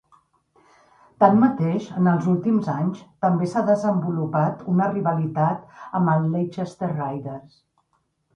Tanmateix, en els últims anys també s'ha desenvolupat una rivalitat amb els Leicester Riders.